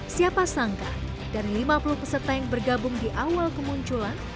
siapa sangka dari lima puluh peserta yang bergabung di awal kemunculan